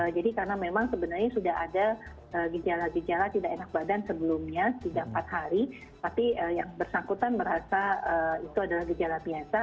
jadi karena memang sebenarnya sudah ada gejala gejala tidak enak badan sebelumnya tiga empat hari tapi yang bersangkutan merasa itu adalah gejala biasa